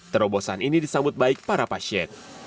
terobosan ini disambut baik para pasien